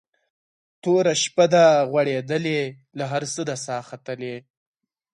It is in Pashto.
توره شپه ده غوړېدلې له هر څه ده ساه ختلې